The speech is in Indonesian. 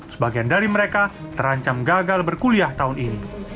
sebagian dari mereka terancam gagal berkuliah tahun ini